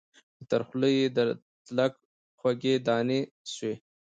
چي تر خوله یې د تلک خوږې دانې سوې